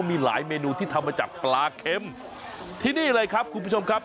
มีหลายเมนูที่ทำมาจากปลาเข็มที่นี่เลยครับคุณผู้ชมครับ